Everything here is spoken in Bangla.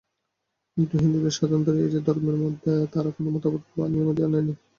কিন্তু হিন্দুদের স্বাতন্ত্র্য এই যে, ধর্মের মধ্যে তারা কোন মতবাদ বা নিয়মাদি আনেনি।